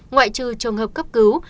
ngoại trừ trông hợp cấp cứu